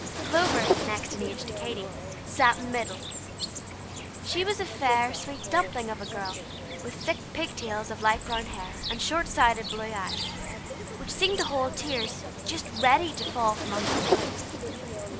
Clover, next in age to Katy, sat in the middle. She was a fair, sweet dumpling of a girl, with thick pig tails of light brown hair, and short sighted blue eyes, which seemed to hold tears, just ready to fall from under the blue.